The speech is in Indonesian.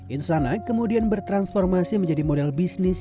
insana kemudian bertransformasi menjadi model bisnis